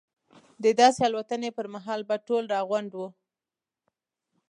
د داسې الوتنې پر مهال به ټول راغونډ وو.